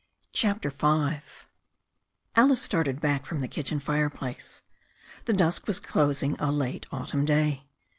CHAPTER V ALICE started back from the kitchen fireplace. The dusk was closing a late autumn day.